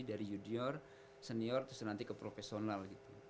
dari junior senior terus nanti ke profesional gitu